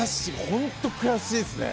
本当、悔しいですね。